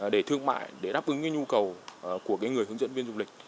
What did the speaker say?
để thương mại để đáp ứng nhu cầu của người hướng dẫn viên du lịch